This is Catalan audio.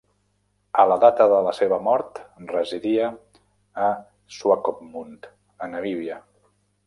A data de la seva mort residia a Swakopmund, a Namíbia.